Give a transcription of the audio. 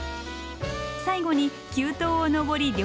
最後に急登を登り稜線へ。